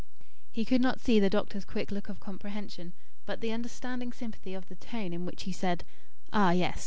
He could not see the doctor's quick look of comprehension, but the understanding sympathy of the tone in which he said: "Ah, yes.